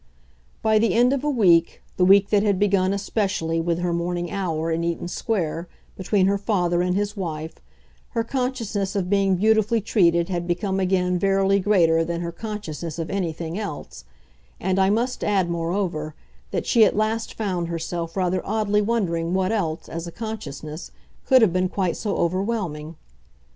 By the end of a week, the week that had begun, especially, with her morning hour, in Eaton Square, between her father and his wife, her consciousness of being beautifully treated had become again verily greater than her consciousness of anything else; and I must add, moreover, that she at last found herself rather oddly wondering what else, as a consciousness, could have been quite so overwhelming.